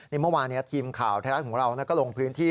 นี่เมื่อวานทีมข่าวไทยรัฐของเราก็ลงพื้นที่